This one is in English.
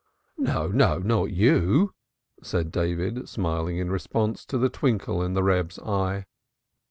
"No, no, not you," said David, smiling in response to the twinkle in the Reb's eye.